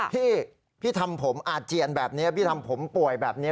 พี่พี่ทำผมอาเจียนแบบนี้พี่ทำผมป่วยแบบนี้